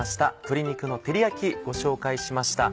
鶏肉の照り焼きご紹介しました。